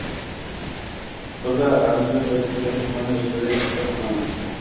Ko‘rpa - Andijon viloyati Xo‘jaobod tumani janubidagi qishloq nomi.